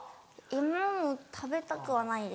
イモも食べたくはないです。